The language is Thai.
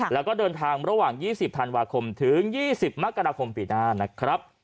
แล้วก็เดินทางระหว่าง๒๐ธันวาคมถึง๒๐มกราคมปีหน้านะครับ